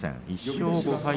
１勝５敗。